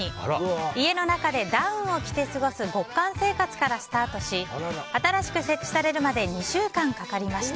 家の中でダウンを着て過ごす極寒生活からスタートし新しく設置されるまで２週間かかりました。